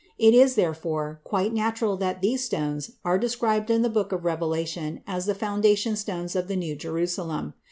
It is, therefore, quite natural that these stones are described in the book of Revelation as the foundation stones of the New Jerusalem.